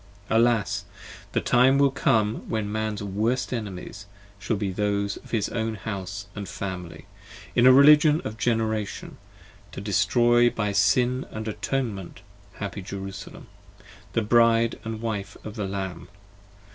25 Alas! The time will come, when a man's worst enemies Shall be those of his own house and family: in a Religion Of Generation, to destroy by Sin and Atonement happy Jerusalem, 28 The Bride and Wife of the Lamb.